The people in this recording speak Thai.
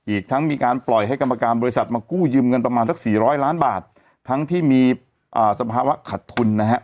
อีกทั้งมีการปล่อยให้กรรมการบริษัทมากู้ยืมเงินประมาณสักสี่ร้อยล้านบาททั้งที่มีสภาวะขัดทุนนะฮะ